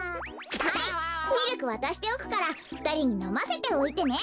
はいミルクわたしておくからふたりにのませておいてね。